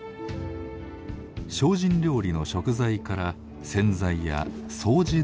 精進料理の食材から洗剤や掃除道具まで。